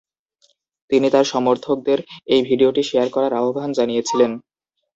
তিনি তার সমর্থকদের এই ভিডিওটি শেয়ার করার আহ্বান জানিয়েছিলেন।